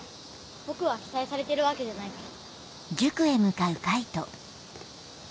僕は期待されてるわけじゃないから。